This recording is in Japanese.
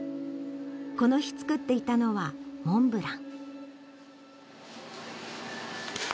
この日、作っていたのはモンブラン。